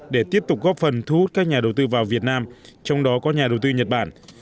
để tiếp tục góp phần thu hút các nhà đầu tư vào việt nam trong đó có nhà đầu tư nhật bản